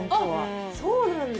そうなんだ。